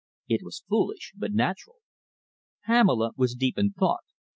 It was foolish but natural." Pamela was deep in thought.